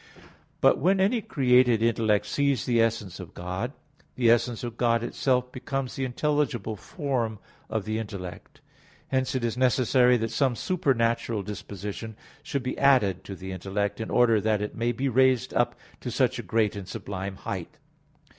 But when any created intellect sees the essence of God, the essence of God itself becomes the intelligible form of the intellect. Hence it is necessary that some supernatural disposition should be added to the intellect in order that it may be raised up to such a great and sublime height.